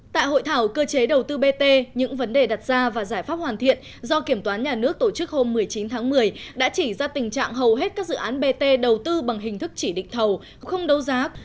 tại hội thảo cơ chế đầu tư bt những vấn đề đặt ra và giải pháp hoàn thiện do kiểm toán nhà nước tổ chức hôm một mươi chín tháng một mươi đã chỉ ra tình trạng hầu hết các dự án bt đầu tư bằng hình thức chỉ định thầu không đấu giá